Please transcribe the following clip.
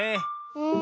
うん。